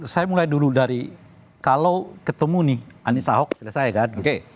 saya mulai dulu dari kalau ketemu nih anies ahok selesai kan gitu